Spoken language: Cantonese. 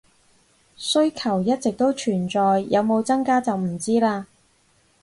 需求一直都存在，有冇增加就唔知喇